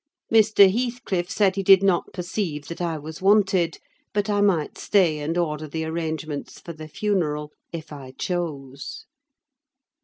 Mr. Heathcliff said he did not perceive that I was wanted; but I might stay and order the arrangements for the funeral, if I chose.